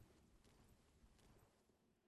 Y su tumba está en la ciudad de Qom, en Irán.